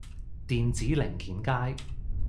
電子零件街